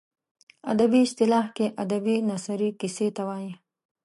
ادبي اصطلاح کې ادبي نثري کیسې ته وايي.